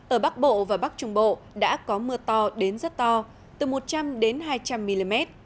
ở bắc bộ và bắc trung bộ đã có mưa to đến rất to từ một trăm linh đến hai trăm linh mm